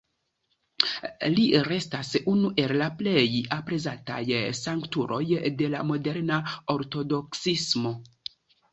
Li restas unu el la plej aprezataj sanktuloj de la moderna Ortodoksismo.